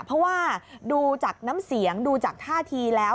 เพราะว่าดูจากน้ำเสียงดูจากท่าทีแล้ว